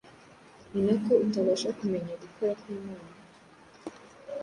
ninako utabasha kumenya gukora kw’imana